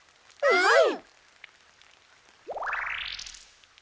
はい！